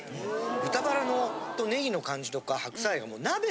豚バラとネギの感じとか白菜がもう鍋。